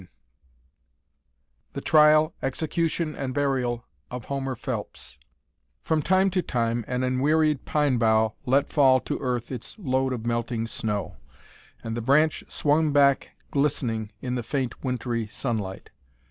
X THE TRIAL, EXECUTION, AND BURIAL OF HOMER PHELPS From time to time an enwearied pine bough let fall to the earth its load of melting snow, and the branch swung back glistening in the faint wintry sunlight.